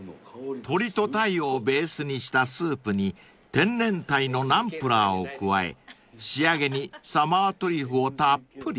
［鶏とタイをベースにしたスープに天然タイのナンプラーを加え仕上げにサマートリュフをたっぷり］